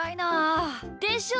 でしょ！